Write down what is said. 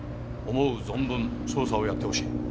思う存分捜査をやってほしい。